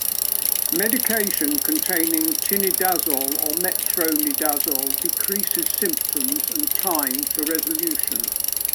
Medication containing tinidazole or metronidazole decreases symptoms and time to resolution.